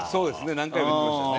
何回も言ってましたよね。